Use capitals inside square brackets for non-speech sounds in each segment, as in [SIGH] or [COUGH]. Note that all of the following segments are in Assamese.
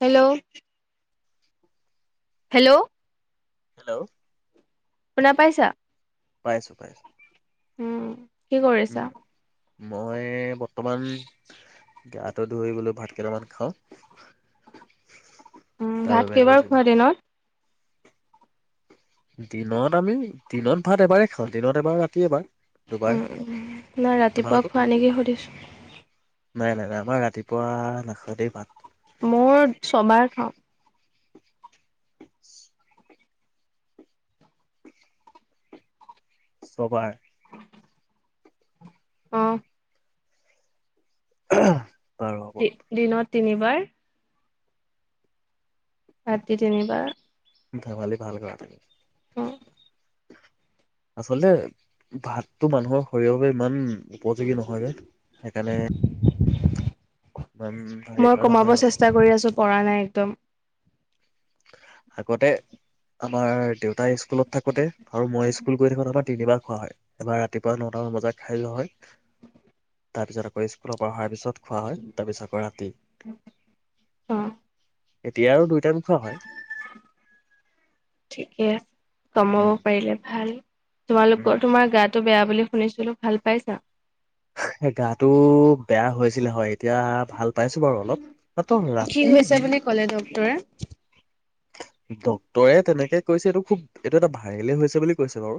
হেল্ল হেল্ল হেল্ল শুনা পাইছা? পাইছো পাইছো। উম কি কৰিছা? উম মই বৰ্তমান গাটো ধুই বোলো, ভাত কেইটামান খাওঁ উম, তাৰ ভাত বাবে কেইবাৰ লৈছিলো খোৱা দিনত দিনত আমি, দিনত ভাত এবাৰেই খাওঁ, দিনত এবাৰ ৰাতি‌ এবাৰ দুবাৰ উহ, নাই ৰাতিপুৱা তোমালোকৰ খোৱা নেকি সুধিছোঁ। নাই নাই নাই, আমাৰ ৰাতিপুৱা নাখাওঁ দেই ভাত মোৰ ছবাৰ খাওঁ। চবাৰ অহ আহ‌ হাহ দিনত তিনিবাৰ ৰাতি তিনিবাৰ ধেমালি ভাল কৰা নাই। অহ আচলতে ভাতটো মানুহৰ শৰীৰৰ বাবে ইমান উপযোগী নহয় যে, সেইকাৰণে ইমান হেৰি মই কৰা নহয় কমাব আৰু চেষ্টা কৰি আছোউ পৰা নাই একদম আগতে আমাৰ দেউতাই স্কুলত থাকোতে আৰু মই স্কুল গৈ থাকোতে আমাৰ তিনিবাৰ খোৱা হয় এবাৰ ৰাতিপুৱা ন মজা খাইলোৱা হয় তাৰ পিছত আকৌ স্কুলৰ পৰা অহাৰ পিছত খোৱা হয় তাৰ পিছৰ ৰাতি অ', এতিয়া আৰু দুইটাম ঠিকে আছে কমাব পাৰিলে ভাল তোমালোকৰ তোমাৰ গাটো বেয়া বুলি শুনিছিলো ভাল পাইছা এ গাটো বেয়া হৈছিলে হয় এতিয়া ভাল পাইছো বাৰু অলপ নাত কি ৰাতি হৈছে দিল বুলি ক'লে ডক্তৰে? ডক্তৰে তেনেকে কৈছে এইটো খুব এইটো এটা ভাইৰেলে হৈছে বুলি কৈছে বাৰু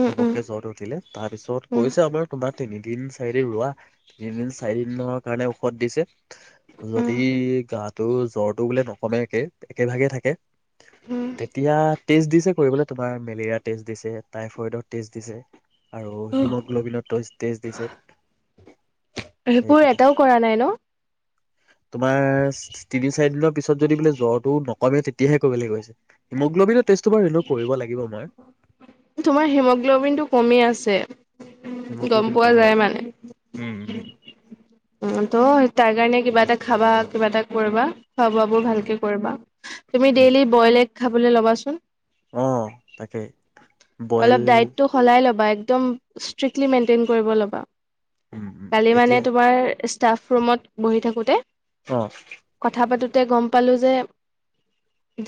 উম, উম, হবকে জ্বত উঠিলে তাৰ পিছত উম, কৈছে আমাৰ তোমাক তিনিদিন চাৰিদিন ৰোৱা তিনিদিন চাৰিদনৰ কাৰণে ঔষধ দিছে উম, যদি গাটো জ্বৰ টো বোলে নকমে একে একে ভাগে থাকে উম। তেতিয়া টেষ্ট দিছে কৰিব তোমাৰ মেলেৰিয়া টেষ্ট দিছে টাইফয়ডৰ টেষ্ট দিছে আৰু হিমগ্ল'বিনৰত তেটেষ্ট দিছে বোৰ সেইকেইটা এটাও কৰা নাই ন তোমাৰ তিনি চাৰি দিনৰ পিছত যদি বোলে জ্বৰটো নক কমে তেতিয়াহে কৰিব লাগিব কৈছে হিম্লবিন টেষ্ট টো কৰিব লাগিব মই তোমাৰ হিমোগ্ল'বিন টো কমি আছে গম হিমগ্লবিন টো পোৱা কমি যায় আছে উম উ ত' তাৰ কাৰণে কিবা এটা খাবা কিবা এটা কৰিবা খোৱা বোৱ বোৰ ভালকে কৰিবা তুমি উম উম, ডেইলি বইল এগ খাবলৈ ল'বাচোন অ তাকেই অলপ ডাইটটো সলাই ল'বা একম ষ্ট্ৰিকলি মেইনটেইন কৰিব ল'বা উম উম কালি মানে এতিয়া তোমাৰ ষ্টাফ ৰুমত বহি থাকোতে অ কথা পাতোতে গম প পালো যে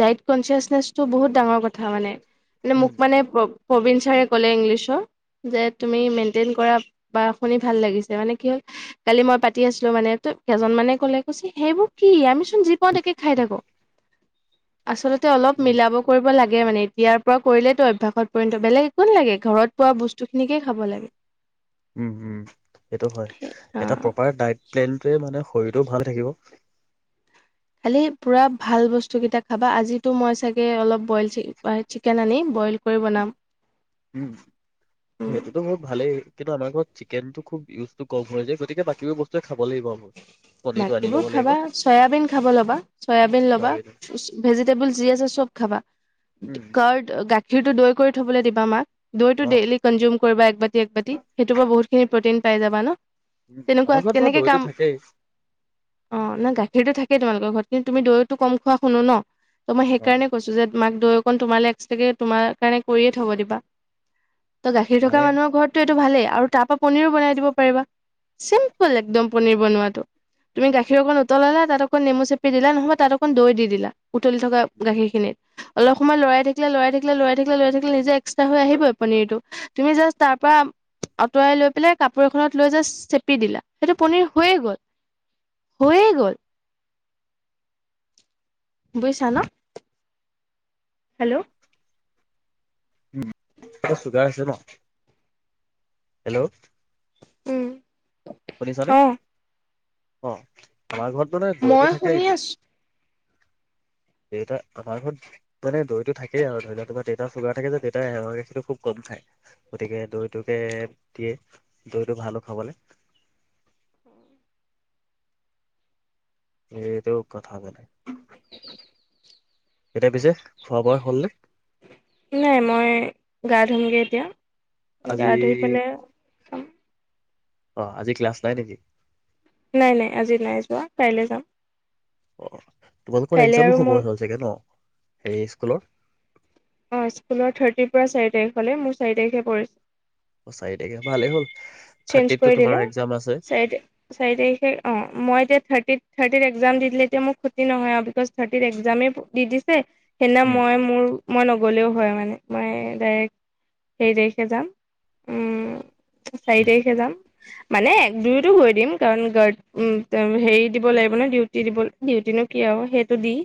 ডাইট কনচিয়াচনেচটো বহুত ডাঙৰ কথা মানে মানে উম মোক মানে প্ৰবীন ছাৰে ক'লে ইংলিছৰ যে তুমি মেইনটেইন কৰা বা শুনি ভাল লাগিছে মানে কি হল কালি মই পাতি আছিলো মানে কেইজন মানে কলে কৈছে সেইবোৰ কি আমি চোন যি পাও তাকে খাই থাকো আচলতে অলপ উম মিলাব কৰিব লাগে মানে এতিয়াৰ পৰা কৰিলেতটো অভ্যাসত বেলেগ একো ন লাগে ঘৰত পোৱা বস্তু খিনিকে খাব লাগে। উম উম সেইটো হয় অ এটা প্ৰপাৰ ডাইট প্লেনটোৱে মানে শৰীৰটোটো ভাল থাকিব। খালি পুৰা ভাল বস্তুকেইটা খাবা আজি মই চাগে অলপ বইল চিকেন আনি ব উ উম সেইটোতো মোৰ ভালেই কিন্তু আমাৰ ঘৰত চিকেনতটো খুব ইউজ টো কম হৈ যে গতিকে বাকীবোৰ বস্তুৱে ব [UNINTELLIGIBLE] বাকীবোৰ খাবা চয়াবিন খাব ল'বা চয়াবিন ল'বা তাৰপিছত। ভেজিটেবল যি আছে চব খাবা উম কৰ্ড গ গাখীৰ তো দৈ কৰি থবলৈ দিবা মাক দৈটো অ'। ডেইলি কনজিউম কৰিবা একবাতি একবাটতি সেইটো পৰা বহুতখিনি প্ৰটিন পাই যাবা ন উম, তেনেকুৱা আমাৰ ঘৰত বাৰু কেনেকে দৈটো কাম থাকেই অ না গাখীৰতটো থাকেই তোমালোকৰ ঘৰত কিন্তু তুমি দৈতো কম খোৱা শুনো ন ত মই অ' সেইকাৰণে কৈছো যে মাক দৈ অকণ তোমালৈ এক্সট্ৰাকে তোমাৰ কাৰণে কৰিয়ে থ'ব দিবা। ত' গাখীৰ থকা মানে মানুহৰ ঘৰতটো এইটো ভালেই আৰু তাৰ পৰা পনিৰো বনাই দিব পাৰিবা চিম্পুল একদম পন বনোৱা তো তুমি গাখীৰ অকণ উতলালা তাত অকণ নেমু চেপি দিলা নহবা তাত অকণ দৈ দি দিলা উতলি থকা গাখীৰখিনি। অলপ সময় লৰাই থাকিলে, লৰাই থাকিলে, লৰাই থাকিলে, লৰাই থাকিলে নিজে এক্সট্ৰা হৈ আহিব পনীৰটো। তুমি জাষ্ট তাৰ পৰা আঁতৰাই লৈ পেলাই কাপোৰ এখনত লৈ জাষ্ট চেপি দিলা, সেইটো পনিৰ হৈ গ'ল, হৈয়ে গ'ল। বুজিছা ন? হেল্ল' উম' এ চুগাৰ হৈছে ন? হেল্ল' উম শুনিছানে অহ অ' আমাৰ ঘৰত মানে দৈ মই তো শুনি থাকেহি। আছো [INAUDIBLE] দেউতা, আমাৰ ঘৰত মানে দৈ তো থাকেই আৰু ধৰি লোৱা তোমাৰ দেউতা চুগাৰ থাকে যে, দেউতাই মহৰ গাখীৰটো খুব কম। খাই, গতিকে দৈটোকে দিয়ে, দৈটো ভালো খাবলে। এইটোও কথা মানে এতিয়া পিছে? খোৱা বোৱা হ'লনে নাই, মই গা ধুম গে এতিয়া। গা ধুই আজি পেলাই খাম। অ' আজি ক্লাছ নাই নেকি? নাই-নাই, আজি নাই যোৱা, কাইলে যাম। অ' তোমালোকৰ কাইলৈ এক্জামো আৰু হ'ব মোৰ হ'ল চাগে ন হেৰি স্কুলৰ? অ' স্কুলৰ থাৰ্টিৰ পৰা চাৰি তাৰিখ হ'লে, মোৰ চাৰি তাৰিখে পৰে। অ চাৰি তাৰিখে ভালেই হ'ল চেঞ্জ থাৰ্টিতটো কৰি তোমাৰ দিলে, এক্জাম আছে চাৰি-চাৰি তাৰিখে অ'। মই এতিয়া থাৰ্টি থাৰ্টিৰ এক্জাম দি দিলে এতিয়া মোৰ ক্ষতি নহয় আৰু বিকজ থাৰ্টিৰ এক্জামে দি দিছে। সেইদিনা উম মই মোৰ মই নগ'লেও হয় মানে মই ডাইৰেক্ট সেই তাৰিখে যাম। উম' চাৰি উম তাৰিখে যাম। মানে দুয়তো গৈ দিম কাৰণ গাৰ্ড হেৰি দিব লাগিব ন ডিউটি দিব ডিউটিনো কি আৰু। সেইটো দিম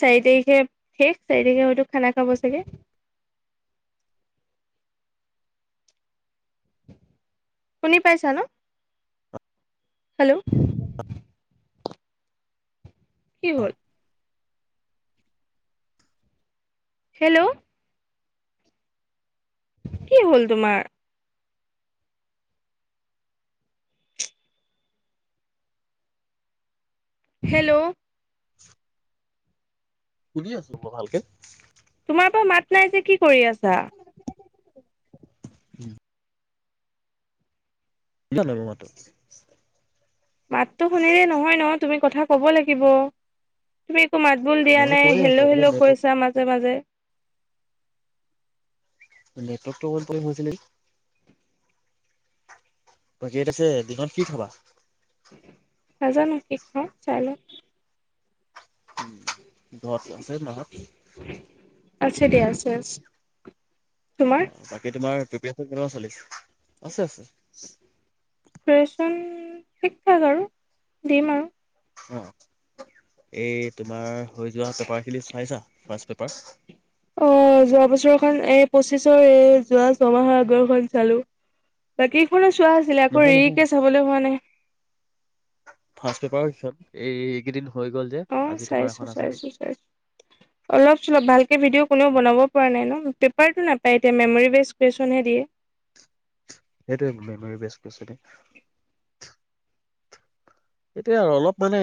চাৰি তাৰিখে‌ খানা খাব চাগে। শুনি পাইছা ন। হেল্ল'। কি অ হল। হেল্ল' কি হ'ল তোমাৰ। হেল্ল' শুনি আছো মই ভালকে তোমাৰ পৰা মাত নাই যে কি কৰি আছা। [INAUDIBLE] [UNINTELLIGIBLE] মাতো শুনিলে নহয় ন তুমি কথা ক'ব লাগিব তুমি। টো মাত বোল দিয়া মই নাই কৈয়ে আছো হেল্ল' অকমান হেল্ল' নেটৱৰ্ক কৈছা মাজে মাজে নেটৱৰ্ক টো অফ হৈ গৈছিল। তই কেইত আছে দিনত কি খাবা। নাজানো কি খাও চাই লওঁ। ঘৰত আছে মা হত। আছে দিয়া আছে আছে। তোমাৰ অ বাকী তোমাৰ প্ৰিপচন কেনেকুৱা চলিছে আছে আছে। প্ৰিপেৰেচন ঠিক ঠাক আৰু দিম আৰু অ এই তোমাৰ হৈ যোৱা পেপাৰ খিনি চাইছা ফাৰ্ষ পেপাৰ। অ যোৱা বছৰখন এই পঁচিছৰ এই যোৱা ছমাহৰ আগৰখন চালো। বাকী কো চোৱা আছিলে আকৌ নহয় ৰিকে চাবলৈ হোৱা নাই। ফাৰ্ষট পেপাৰিত এই এইকেইদিন। হৈ গ'ল যে অ' আজি তোমাৰ এখন আছে অলপ চলপ ভালকে ভিডিঅ' কোনেও নি বনাব পৰা নাই ন পেপাৰতটো ন ত এতিয়া মেমৰি বেচ কুৱেশ্যনহে দিয়ে। সেইটোে মেমৰি বেচ [UNINTELLIGIBLE] এতিয়া আৰু অলপ মানে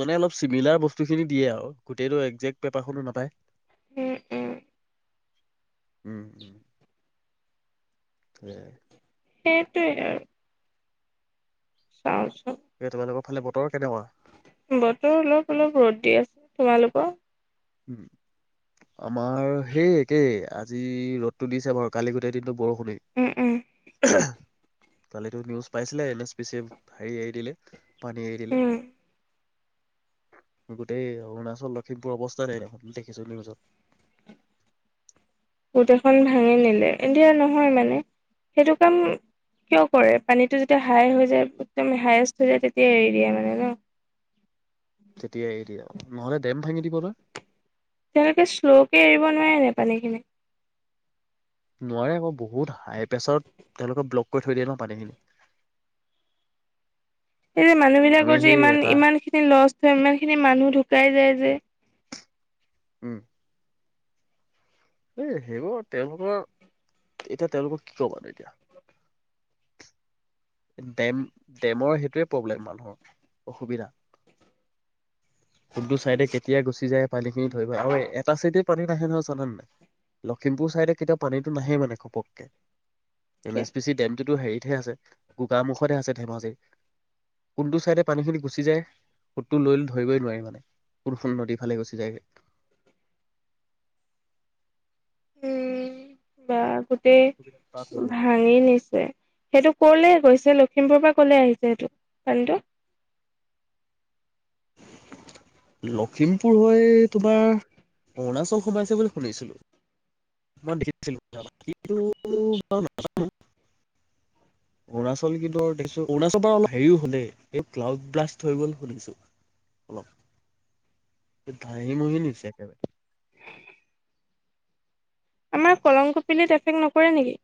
মানে অলপ চিমিলাৰ বস্তু খিনি দিয়ে, আৰু গোটেইটো একজেক্ট পেপাৰখনো নাপায়। উম, উম। [INAUDIBLE] [UNINTELLIGIBLE] সেইটোৱে আৰু চাৱো এ তোমালোকৰ ফালে বতৰ কেনেকুৱা বতৰ অলপ অলপ ৰ'দ দি আছে, তোমালোকৰ উম আমাৰ সেই একে আজি ৰ'দতটো দিছে, বাৰু কালি গোটেই দিনটো বৰষুণ। উম উম। [UNINTELLIGIBLE] কালিতো নিউজ পাইছিলে এন এছ পি চে হেৰি এৰি দিলে। পানী এৰি দিলে উম গোটেই অৰুণাচল লখিমপুৰ অৱস্থা দেখোন দেখিছো ল পছত গোট এখন ভাঙি নিলে, এতিয়া নহয় মানে সেইটো কাম কিয় কৰে পানীতটো যেতিয়া হাই হৈ যায়, একদম হায়েষ্ট হৈ যায় তেতিয়া এৰি দিয়ে মানে ন। [UNINTELLIGIBLE] তেতিয়াাই এৰি আৰু নহ'লে ডেম ভাঙি দিব যে। তেওঁলোকে শ্ল'কে এৰিব নোৱাৰে নে পানীখিনি নোৱাৰে আকৌ বহুত হাই প্ৰেছাৰত তেওঁলোকে ব্লক কৰি থৈ দিয়ে ন পানীখিনি [INAUDIBLE] সেই যে মানুহ আমি বিলাকৰ যে সেই ইমান এটা ইমান খিনি লষ্ট হয় ইমান খিনি মানুহ ঢুকাই যায় যে। উম। এ সেইবোৰ তেওঁলোকৰ এতিয়া তেওঁলোকৰ কি কবা তেতিয়া। ডেম ডেমৰ সেইটোৱে প্ৰব্লেম মানুহৰ অসুবিধা [INAUDIBLE] কোনতটো চাইডে কেতিয়া গুচি যায়, পানী খিনি ধৰিব আৰু এটা চাইড পানী নাহে নহয় চান নাই লখিমপুৰ চাইডত কেতিয়াও পানীতটো নাহে মানে ঘপককে। এন কিয়? এছ পি চি ডেমটোতো হেৰিতহে আছে, গোকামুখতহে আছে ধেমাজিৰ। পুলটো চাইডে পানী খিনি গুচি যায়। সোতটো লৈ ধৰিবই নোৱাৰি মানে, কোনখন নদী ফালে গুচি যায়গে। উম বা গোটেই ভাঙি নিছে। সেইটো কলে গৈছে লখিমপুৰ পৰা কলে আহিছে সেইটো পানীটো। লখিমপুৰ হৈ তোমাৰ অৰুণাচল সোমাইছে বুলি শুনিছিলো। মই দেখিছিলো [INAUDIBLE] অৰুণাচল কিন্ত ধৰিছো, অৰুণাচল অলপ হেৰিও হ'লে এই ক্লাউড ব্লাষ্ট হৈ গ'ল শুনিছো। অলপ ধাঁহি মহি নিছে একেবাৰে আমাৰ কলং কপিলিত এফেক্ট নপৰে নেকি?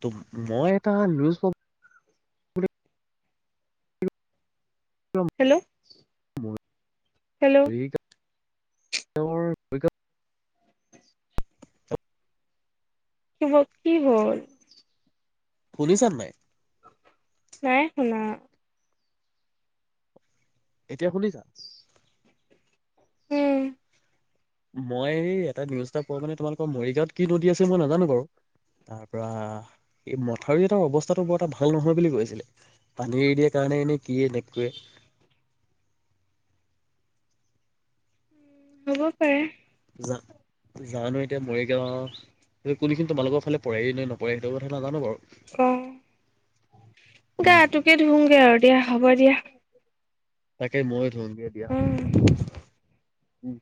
ত মই এটা নিউজ হেল্ল' হেল্ল' তেওঁৰ পৰীক্ষা কিহল কি হ'ল শুনিছানে নাই? নাই শুনা। এতিয়া শুনিছা? উম মই এটা নিউজ এটা পোৱা মানে তোমালোকৰ মৰিগাঁৱত কি নদী আছে মই নাজানো বাৰু তাৰ পৰা এই মথাউৰি এটাৰ অৱস্থাতটো বৰ এটা ভাল নহয় বুলি কৈছিলে, পানী এৰি দিয়া কাৰণে। মানে এনেই কিয়ে নেপকুৱে উম হ'ব পাৰে। জানো এতিয়া মৰিগাঁও কোনোখিনি তোমা লোকৰ ফালে পৰে নপৰে সেইটো কথা নাজানো বৰু। অ গা উম তোকে ধুমগে আৰু দিয়া, হ'ব দিয়া। তাকে মই ধুমগে দিয়া হ উম। উম।